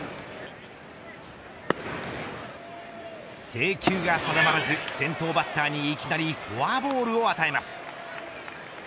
制球が定まらず先頭バッターにいきなりフォアボールを与えます。